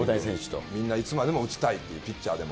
みんないつまでも打ちたいっていう、ピッチャーも。